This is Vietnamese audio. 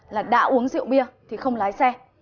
là đã uống rượu bia thì không lái xe